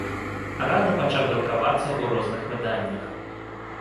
Рана пачаў друкавацца ў розных выданнях.